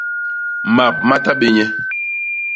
Map ma tabé nye.